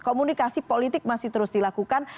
komunikasi politik masih terus dilakukan